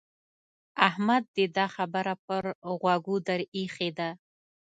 احمد دې دا خبره پر غوږو در اېښې ده.